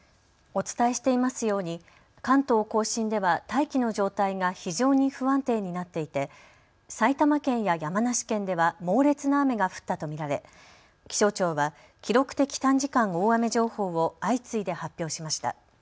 お伝えしていますように関東甲信では大気の状態が非常に不安定になっていて埼玉県や山梨県では猛烈な雨が降ったと見られ気象庁は記録的短時間大雨情報を相次いで発表しました。